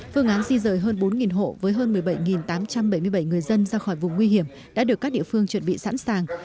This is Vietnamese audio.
phương án di rời hơn bốn hộ với hơn một mươi bảy tám trăm bảy mươi bảy người dân ra khỏi vùng nguy hiểm đã được các địa phương chuẩn bị sẵn sàng